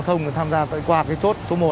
thông tham gia qua cái chốt số một